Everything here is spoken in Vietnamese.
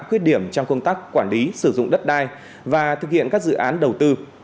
khuyết điểm trong công tác quản lý sử dụng đất đai và thực hiện các dự án đầu tư